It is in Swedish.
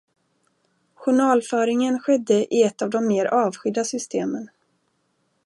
Journalföringen skedde i ett av de mer avskydda systemen